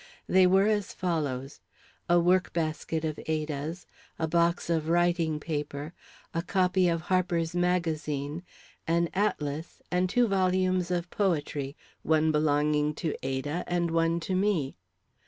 They were as follows: A work basket of Ada's; a box of writing paper; a copy of Harper's Magazine; an atlas; and two volumes of poetry, one belonging to Ada and one to me.